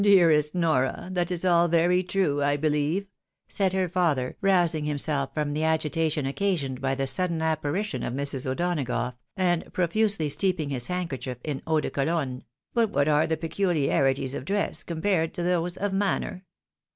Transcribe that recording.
" Dearest Nora ! that is all very true, I believe," said her father, rousing himself from the agitation occasioned by the sudden apparition of Mrs. O'Donagough, and profusely steep ing his handkerchief in eau de Cologne ;" but what are the peculiarities of dress, compared to those of manner